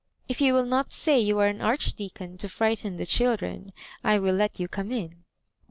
If you will not say you are an Archdeacon, to frighten the children, I will let you come in."